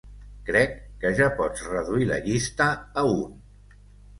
Crec que ja pots reduir la llista a un.